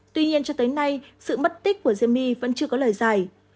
tuy nhiên cho tới nay sự mất tích của diễm my vẫn chưa có lời giải